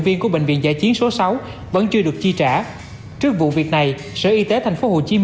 để xem cái tiến đội chi trả cho các lực lượng